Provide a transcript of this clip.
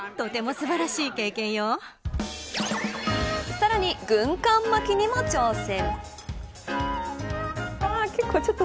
さらに、軍艦巻きにも挑戦。